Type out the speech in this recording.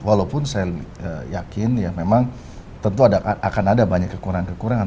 walaupun saya yakin ya memang tentu akan ada banyak kekurangan kekurangan